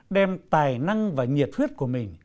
đem tài năng và nhiệt huyết của mình